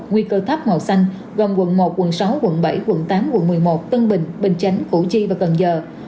gồm quận một quận sáu quận bảy quận tám quận một mươi một tân bình bình chánh hữu chi và cần giờ